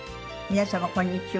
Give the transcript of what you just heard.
皆様こんにちは。